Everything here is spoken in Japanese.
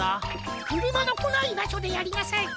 くるまのこないばしょでやりなさい。